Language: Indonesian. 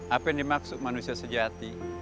apa yang dimaksud manusia sejati